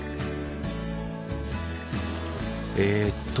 えっと